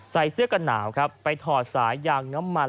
ใส่เสื้อกันหนาวครับไปถอดสายยางน้ำมัน